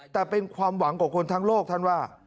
แต่เป็นความหวังของคนทั้งโลกท่านว่า